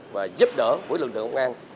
và giúp đỡ của lực lượng công an